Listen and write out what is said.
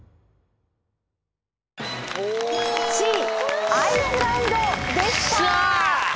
Ｃアイスランドでした。